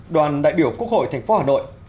đoàn đại biểu quốc hội thành phố hà nội